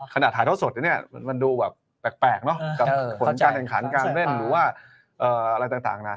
ถ่ายเท่าสดเนี่ยมันดูแบบแปลกเนอะกับผลการแข่งขันการเล่นหรือว่าอะไรต่างนะ